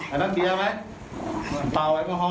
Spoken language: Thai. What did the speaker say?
อันนั้นเบียร์ไหมเปล่าแอลกอฮอล์นะ